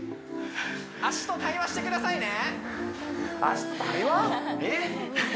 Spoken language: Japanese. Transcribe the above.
脚と対話してくださいねえっ？